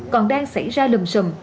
còn đang xảy ra lùm xùm